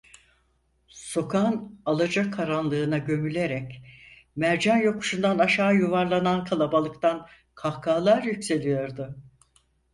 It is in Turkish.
Sokağın alacakaranlığına gömülerek Mercan yokuşundan aşağı yuvarlanan kalabalıktan kahkahalar yükseliyordu.